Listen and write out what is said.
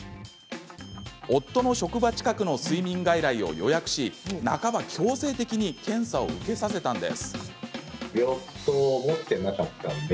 夫の職場近くの睡眠外来を予約し半ば強制的に検査を受けさせたんです。